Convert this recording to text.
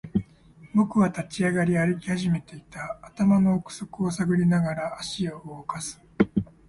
僕は立ち上がり、歩き始めていた。頭の奥底を探りながら、足を動かす。